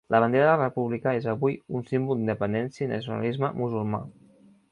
La bandera de la República és avui dia un símbol d’independència i nacionalisme musulmà.